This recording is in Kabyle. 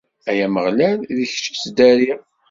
Ay Ameɣlal, d kečč i ttdariɣ.